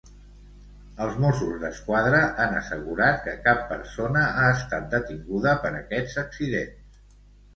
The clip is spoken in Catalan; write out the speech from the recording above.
Els Mossos d'Esquadra han assegurat que cap persona ha estat detinguda per aquests accidents.